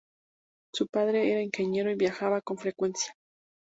Su padre era ingeniero y viajaba con frecuencia.